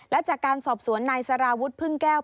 และจากการสอบสวนนายสารวุฒิพึ่งแก้ว